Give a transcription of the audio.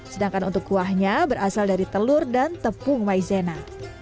sedangkan untuk kuahnya berasal dari telur dan tepung maizena